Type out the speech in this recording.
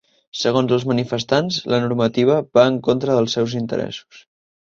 Segons els manifestants, la normativa va en contra dels seus interessos.